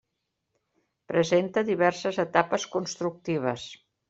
Presenta diverses etapes constructives.